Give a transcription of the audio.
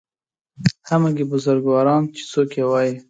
همګي بزرګواران چې څوک یې وایي